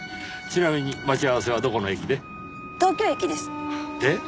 ちなみに待ち合わせはどこの駅で？